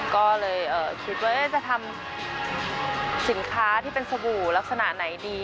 ก็เลยคิดว่าจะทำสินค้าที่เป็นสบู่ลักษณะไหนดี